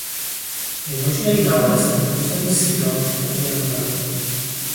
Je možné ji nalézt i na území Srí Lanky a Myanmaru.